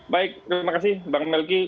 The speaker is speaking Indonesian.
baik terima kasih bang melki